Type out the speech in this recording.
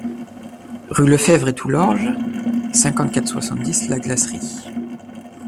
Rue Lefevre et Toulorge, cinquante, quatre cent soixante-dix La Glacerie